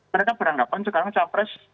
mereka beranggapan sekarang capres